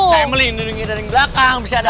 saya melindungi dari belakang bisa ada